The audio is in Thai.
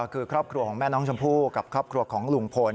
คือครอบครัวของแม่น้องชมพู่กับครอบครัวของลุงพล